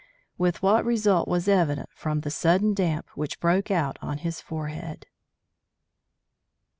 With what result was evident from the sudden damp which broke out on his forehead.